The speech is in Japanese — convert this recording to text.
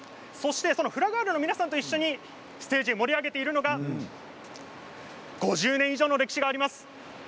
フラガールの皆さんと一緒にステージを盛り上げているのが５０年以上の歴史があります